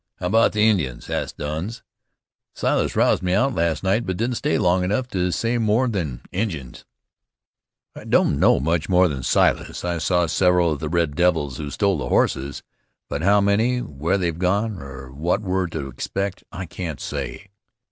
"How about the Indians?" asked Douns. "Silas roused me out last night; but didn't stay long enough to say more than 'Indians.'" "I don't know much more than Silas. I saw several of the red devils who stole the horses; but how many, where they've gone, or what we're to expect, I can't say.